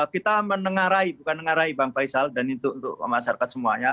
kita menengarai bukan menengarai bang faisal dan itu untuk masyarakat semuanya